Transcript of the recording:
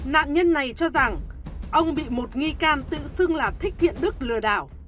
nạn nhân này cho rằng ông bị một nghi can tự xưng là thích thiện đức lừa đảo